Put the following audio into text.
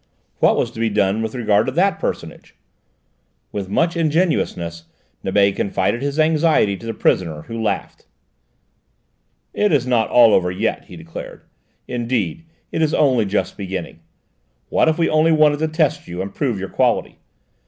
What was to be done with regard to that personage? With much ingenuousness Nibet confided his anxiety to the prisoner, who laughed. "It's not all over yet," he declared. "Indeed, it is only just beginning. What if we only wanted to test you, and prove your quality?